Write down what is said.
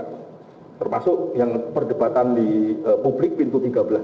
termasuk yang perdebatan di publik pintu tiga belas